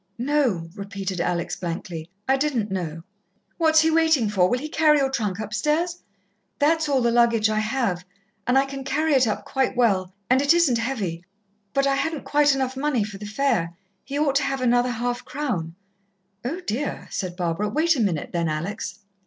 "No," repeated Alex blankly. "I didn't know." "What's he waiting for? Will he carry your trunk upstairs?" "That is all the luggage I have, and I can carry it up quite well, and it isn't heavy. But I hadn't quite enough money for the fare he ought to have another half crown." "Oh, dear," said Barbara. "Wait a minute, then, Alex."